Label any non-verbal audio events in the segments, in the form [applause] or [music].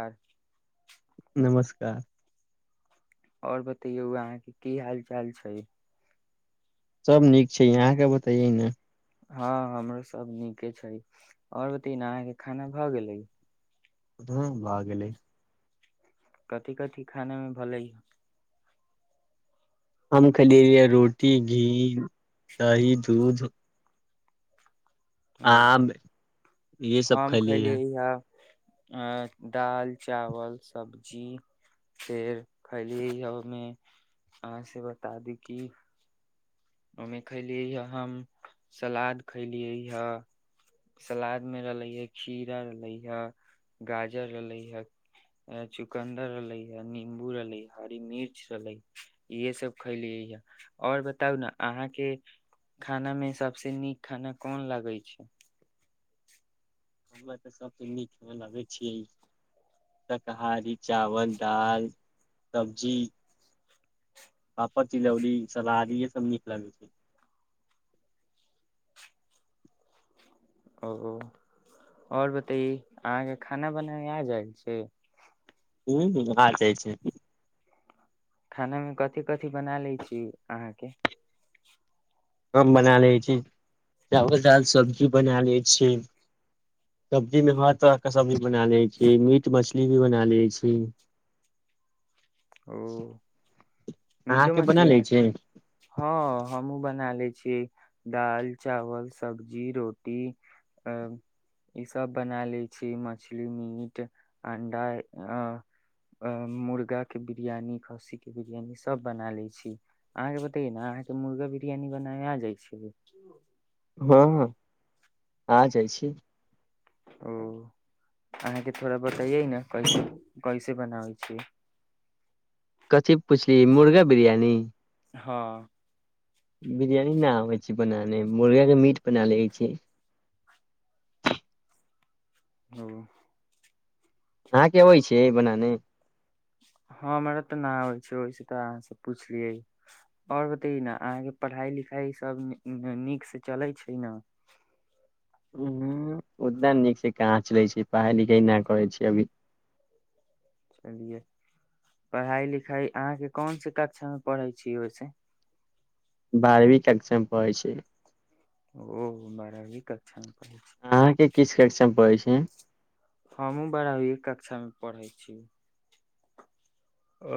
आर नमस्कार और बतैयौ अहाँ के की हाल चाल छै सब नीक छै यहाँके बताइये ने हँ हमरो सब नीके छै आओर बतिन अहाँके खाना भऽ गेले धू भ गेलै कथी कथी खानामे भलै हम खेलिए अ रोटी घी दही दूध ओ आम इहे सब हम खयलियै ह खेलियै इहा आ दाल चावल सब्जी फेर खली हमे अहाँ से बता दी की ओहि में खैलिये हे हम सलाद खैलियै हे सलाद मे रहले हे खीरा रहले हे गाजर रहले हे चुकन्दर रहलै है नीम्बू रहलै हरी मिर्च रहलै इहे सब खैलियै य आओर बताउ ने अहाँ के खाना में सबसँ नीक खाना कोन लगै छै हमरा तऽ सबसेँ नीक मे लगे छै शकहारी चावल दाल सब्जी पापड़ तिलौड़ी सलाद इहे सब नीक लगै छै ओ ओ आओर बतैनि अहाँके खाना बनेना आ जाय छै हूँ हूँ आ जाइ छै खाना मे कथि कथि बना ले छी अहाँके हम बना ले छी चावल दाल सब्जी बना ले छी सब्जी में हर तरह के सब्जी बना ले छी मीट मछली भी बना ले छी ओ मीटो अहाँके बना मछली ले अहा छी क हँ हमहुँ बना ले छियै दाल चावल सब्जी रोटी [unintelligible] इ सब बना ले छी मछली मीट अंडा अ अ मुर्गाके बिरियानी खस्सीे के बिरियानी सभ बना ले छी अहाँके बतैयए ने अहाँके मुर्गा बिरियानी बनाए आ जाइ छै हँ हँ आ जाइ छी ओ अहाँके थोड़ा बतैयै ने कैसे कैसे बनाबै छीयै कथी पुछली मुर्गा बिरयानी हँ बिरियानी न आबे छै बनाने मुर्गा के मीट बना ले छी ओ अहाँ के अबै छै बनाने हमरा तऽ न होइ छै ओहिस तऽ अहाँ से पुछलियै आओर बतैयै न अहाँके पढ़ाई लिखाई सब नीक से चले छै न ओद्दे नीक से कहाँ चले छी पढ़ाई लिखाई एहिना करै छी अभी चलियै पढ़ाई लिखाइ अहाँके कोनस कक्षा मे पढ़ै छीयै ओहिसे बारहवीं कक्षा म परहै छी ओ बारहवीं कक्षा मे परहै छी अहाँके किस कक्षा मे परहै छी हमहुँ बारहवींए कक्षा मे पढ़ै छी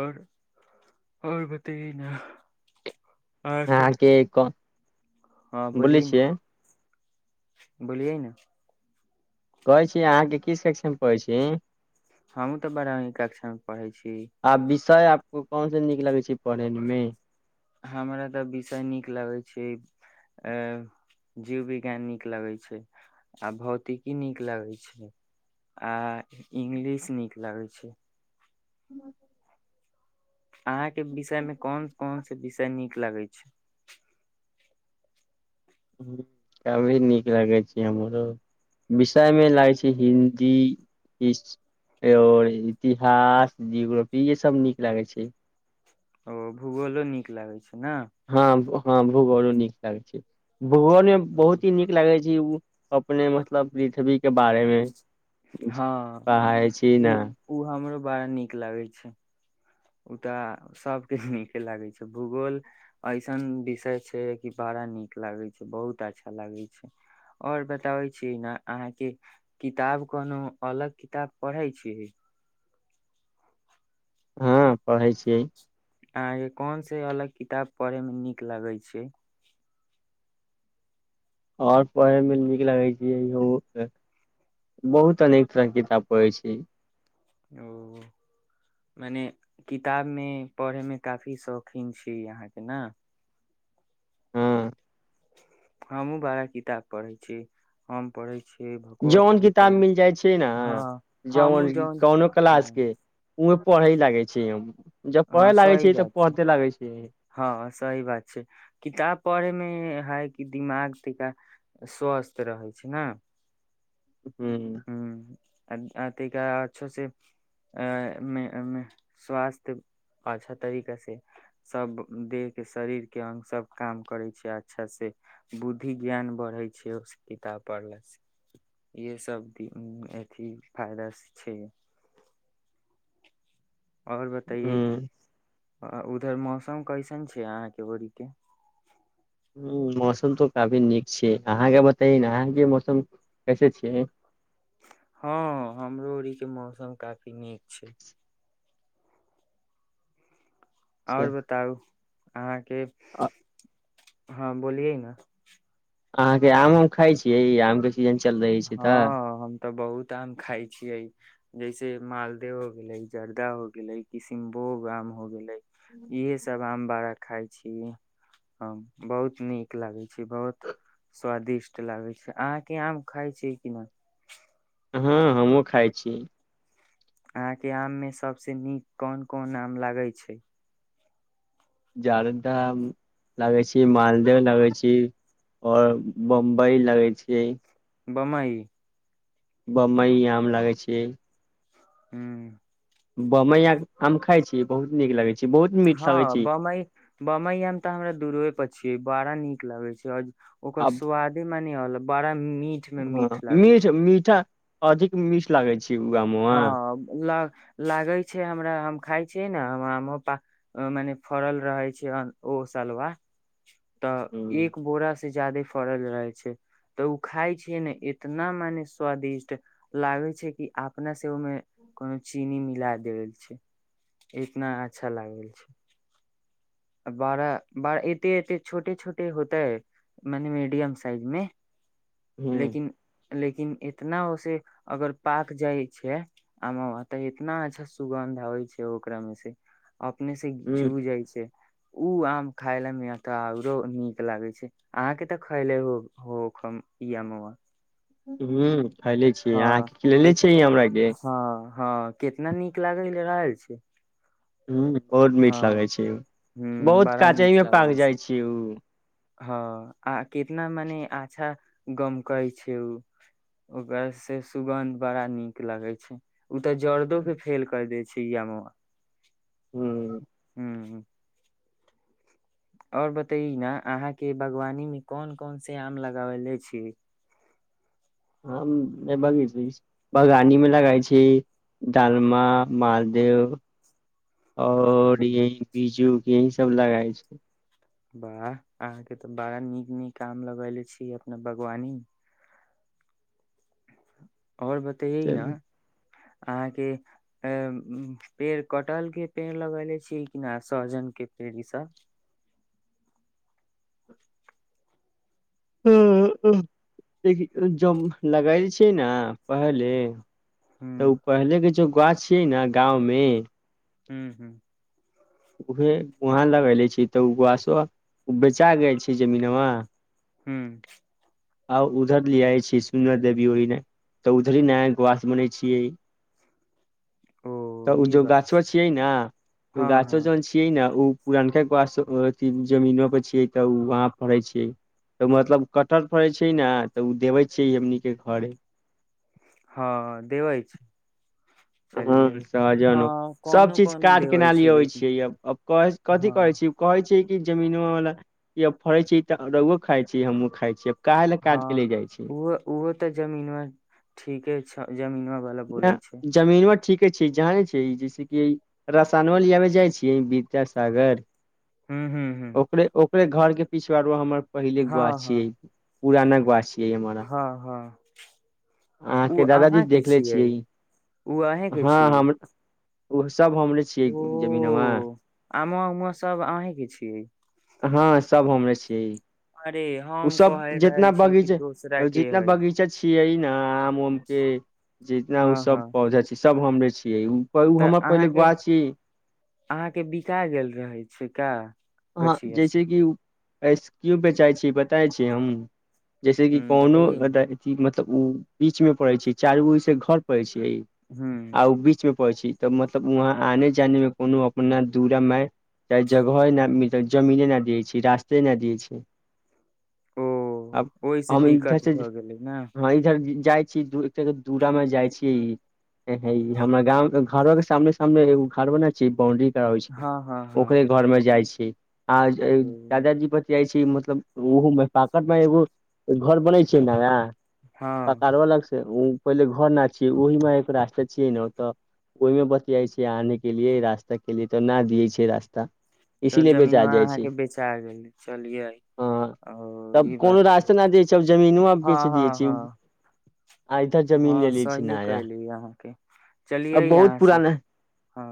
आओर आओर बतैयै न अहाँ के क हँ बोलै बोलियै न छियै बोलियै न कहै छी अहाँके की सेक्शन पै छी हमहूँ तऽ बारहवीं कक्षा मे परहै छी आ विषय आपको कोन से नीक लगे छै पढ़े में हमरा तऽ विषय नीक लगैत छै अ जीव विज्ञान नीक लगै छै आ भौतिकी नीक लगै छै आ इंगलिश नीक लगै छै [inaudible] अहाँ के विषय मे कोन कोन से विषय नीक लगै छै सभी नीक लगै छै हमरो विषय मे लागै छै हिन्दी हीस और इतिहास जियोग्रफी इहे सब नीक लागे छै ओ भूगोलो नीक लागैत छै ने हँ हँ भूगोलो नीक लागै छै भूगोल मे बहुत ही नीक लागै छै ओ अपने मतलब पृथ्वी के बारेमे पढ़ै छी ने ओ हमरो बड़ा नीक लागै छै ओ त सबके नीके लागै छै भूगोल ऐसन विषय छै कि बड़ा नीक लागे छै बहुत अच्छा लागे छै आओर बताबै छीयै न अहाँके किताब कोनो अलग किताब पढ़ै छी हँ पढ़ै छियै अहाँके कोन से अलग किताब पढ़े मे नीक लगे छै आओर पढ़े मे नीक लगै छै बहुत अनेक तरह के किताब पढ़ै छी ओ मने किताब मे पढ़े मे काफी शौकीन छी अहाँ के ने हँ हमहुँ बारा किताब पढ़ै छी हम पढ़ै छियै भगवत जौन गीता किताब के मिल जाइ छै ने हँ जौन हमहुँ कोनो क्लास हँ के उहे पढ़ेहि लागे छियै हम जब हँ पढ़े लागै सही छियै तब बात छै पढ़ते लागै छी हँ सही बात छै किताब पढ़े मे है कि दिमाग टिका स्वस्थ रहै छै ने हूंम्म हूंम्म आ तै के बाद अच्छो से अ मे स्वास्थ्य अच्छा तरीका से सभ देहके शरीरके अङ्ग सभ काम करै छै अच्छासँ बुद्धि ज्ञान बढ़ै छै ओ सब किताब पढ़लासे इहे सब अथी फायदा छै और बतैइयै ह उधर मौसम कैसन छै अहाँ के बड़ी के हूंम्म मौसम तो काफी नीक छै अहाँके बतैयै ने अहाँके मौसम कैसे छियै हँ हमरो ओरीके मौसम काफी नीक छै अच्छा, आओर बताउ अहाँके अ- हँ बोलियै ने अहाँ के आम उम खाय छीयै ई आम के सीजन चल रहै छै तऽ हँ हम तऽ बहुत आम खाइ छियै जैसे मालदे हो गेले जर्दा हो गेले किसनभो गाम हो गेले इहे सब आम बड़ खाइ छी हम बहुत नीक लागै छी बहुत स्वादिष्ट लागै छै अहाँआम खाय छियै कि न हँ हमहुँ खाइ छी अहाँके आम मे सबसे नीक कोन कोन आम लागे छै जरदा आम लगै छी मालदेव लगै छी और बम्बई लगै छियै बमइ बम्बइ आम लागै छियै हू ब मैया आम खाय छी बहुत नीक लगे छै बहुत मीठ लगै हँ छै बमई बमईय मे तऽ हमरा दू रोए पर छीय बड़ा नीक लगे छै और ओकर स्वाद म होल बड़ा मिट हँ मीठ मीठा अधिक मीठ लागै छै उगा मे हँ ल लागे छै हमरा हम खाय छियै ने हम पा मने फड़ल रहै छै ओ सलवार तऽ ह एक बोरा से ज्यादे फड़ल रहै छै तऽ उ खाय छियै ने इतना माने स्वादिष्ट लागै छै कि आपना से ओहिमे कोनो चीनी मिला देल छै इतना अच्छा लागल छै बारा बड़ एते एते छोटे छोटे होतै मने मीडियम साइज मे ह लेकिन लेकिन इतना ओसे अगर पाक जाइ छै आवमा तऽ इतना अच्छा सुगन्ध आवै छै ओकरा मे से अपने से ह चू जाइ छै उ आम खाय ल मे तऽ आऔरो नीक लागे छै अहाँ के तऽ खैले हो हो इ अमुआ हुं खले छीय अहाँके खिले केत छ हमरा के हँ हँ केितना नीक लागल ले रहल छै ह बहुत मीठ हँ लागै छै ह बहुत बड़ा मीठ काजैयो पाक लागल छै जाइ छी उ हँ आ कितना मने अच्छा गमकै छै उ ओकर से सुगन्ध बड़ा नीक लगै छै उ तऽ जर्दो के फेल कर दै छै य यमुआं हू हू हू और बतई न अहाँ के बागवानी में कौन कौन से आम लगवेले छी ह नहि भागी [unintelligible] बगानी मे लगाई छी डालमा मालदेव आओर हूँ यह बीजू यह सब लगए छी वाह अहाँ के तऽ बड़ा नीक नीक काम लगैले छी अपना बागवानी आओर बतैयै नऽ चलू अहाँके अ पेड़ कटल के पेड़ लगैले छी किना सहजन के पेड़ इ सब देखी ज लगाय छै ने पहले ह तऽ ओ पहिले के जो गाछियै ने गाँ मे हू हू उहे वहाँ लगैले छी तऽसो बेचा गय छै जमीन मे हू आउ उधर लिआइ छी सुन्दर देवी ओहि तऽ ऊधर नया गास बनै छियै ओ तऽ ओ ई जो बात गाछो छै छियै न ओ हँ गाछो हँ जन छ छिय न ओ पुरानका अथि जमीनमा पर छियै तऽ वहाँ पढ़े छियै तऽ मतलब कटहर फड़ै छै ने तऽ ओ देबै छियै हमनीक के घरे हँ देबइ छै चलियै ह हँ सहजन सब कोनो चीज कोनो काड देबै केना छै लिय अबै लेकिन छियै अब क कथि कहै हँ छी कहै छै कि जमीनो वाला य फड़े छै तऽ रुओ खाइ छी हमूँ खाय छीय हँ ओहो ओहो तऽ जमीन मे ठीके छै जमीनमा वला ना बोले छै जमीनवा ठीके छै जाने छै जैसे कि रसानो लियाबमे जाइत छियै विता सागर हूं हूं हूँ कर ओकरे घर के पिछा रो हमर पहिले हँ गुआ हँ छियै पुराना गुआ छियै हमर हँ हँ उ अहाँके दादाजी अहाँ के देखले छियै ओ अहेंके हँ छियै हम ओ सब हमरे छियै ओ जमीनवा आममा उममा सब अहीं के छीयै हँ सब हमरे छियै ई अरे ओ हम सब कहि जितना रहल छी कि दोसरा बगीचा के जितना हइ बगीचा छियै न आम उम के जितना ओ हँ सब हँ पौधा छै सब हमरे छियै उ तऽ अहाँके अहाँके बिका गेल रहै छै का ह गछिया से जैसे कि आईस क्यूब बेचाइ छै बताै छी हम जैसे कि ह कोनो बतैयै [unintelligible] ने मतलब ओ बीच मे पड़े छै चारु बगलसेँ घर पड़े छै हुँ आ ओ बीच मे पहुची तऽ मतलब वहाँ आने जाने मे कोनो अपना दूरा माय चाहे जगह नहि मिलते जमीने नहि दियै छै रास्ते नहि दियै छै ओ आब ओहिसँ हम दिक्कत इधरसँ भऽ गेलै ने हा इधर जाइ छी [unintelligible] दूरा माहे जाइ छियै ई ह ई हमरा गाँव घरो के सामने सामने एगो घर बना छी बाउंड्री कराबै छै हँ हँ हँ ओकरे घर माहे जाइ छै आ ओ दादाजी छियाइ छी मतलब ओहो [unintelligible] मे एगो घर बनै छै नया हँ पकारब अलग से पहिले घर नै छियै ओहिमे एक रास्ता छियै ने औतअ ओहिमे बतियाइ छै आने के लिए रास्ता के लिए तऽ ना दिये छै रास्ता तऽ इसीलिए जमीनो बेचा जाइ अहाँ छै के बेचा गेल चलिये हँ ओ तब ई बात कोनो छै रास्ता न दै छै अब जमीनो आब हँ बेच दै हँ छै आ इधर हँ जमीन ले हँ ले छै सहिए नया कहली अहाँके चलियै अब बहुत यहाँसे पुराना हँ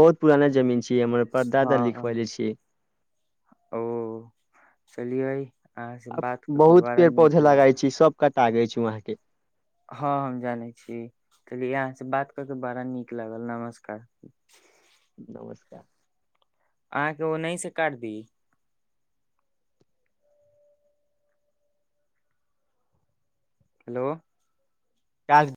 बहुत पुराना जमीन छिये हमर परदादा हँ लिखवले छीयै ओ चलियै अहाँ से आ बात कऽ के बहुत बड़ा पेड़ नीक पौधे लागल लगई छै सब कटा गेल छै वहा के हँ हम जानै छी चलिय अहाँ से बात कर के बड़ा नीक लागल नमस्कार नमस्कार अहाँके ओनही से काट दी हेलो काल